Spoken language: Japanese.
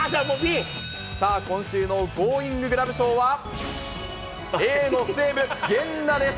さあ、今週のゴーインググラブ賞は、Ａの西武、源田です。